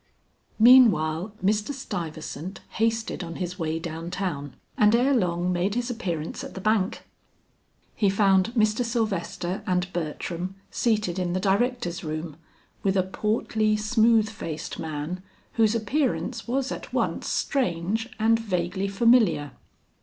Meanwhile Mr. Stuyvesant hasted on his way down town and ere long made his appearance at the bank. He found Mr. Sylvester and Bertram seated in the directors' room, with a portly smooth faced man whose appearance was at once strange and vaguely familiar.